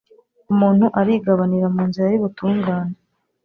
umuntu arigabanira mu nzira y’ubutungane